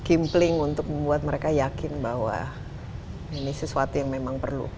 kimpling untuk membuat mereka yakin bahwa ini sesuatu yang memang perlu